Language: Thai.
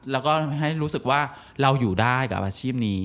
แล้วก็ให้รู้สึกว่าเราอยู่ได้กับอาชีพนี้